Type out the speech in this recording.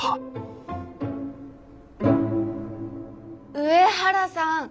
上原さん